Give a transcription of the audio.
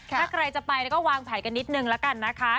ถ้าใครจะไปก็วางแผนกันนิดนึงละกันนะคะ